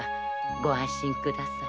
ご安心ください。